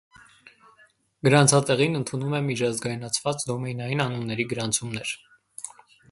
Գրանցատեղին ընդունում է միջազգայնացված դոմենային անունների գրանցումներ։